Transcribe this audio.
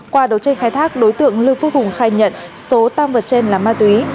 qua đấu tranh khai thác đối tượng lưu phước hùng khai nhận số tăng vật trên là ma túy